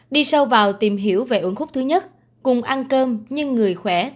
đi sâu vào tìm hiểu về ổn khúc thứ nhất cùng ăn cơm nhưng người khỏe